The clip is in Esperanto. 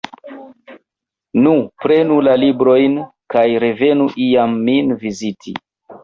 Nu, prenu la librojn kaj revenu iam min viziti.